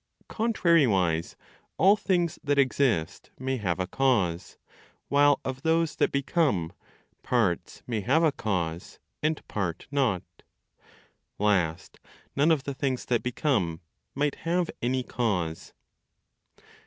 Contrariwise, all things that exist may have a cause, while of those that become, parts may have a cause, and part not. Last, none of the things that become might have any cause.